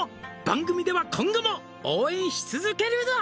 「番組では今後も応援し続けるぞ！」